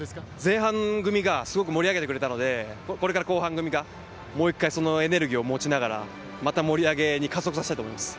前半組がすごく盛り上げてくれたのでこれから後半組がもう１回、そのエネルギーを餅ながら盛り上がりに加速していきたいと思います。